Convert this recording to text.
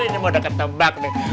ini mau ada ketebak nih